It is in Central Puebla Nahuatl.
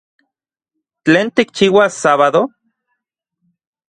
¿Tlen tikchiuas sábado?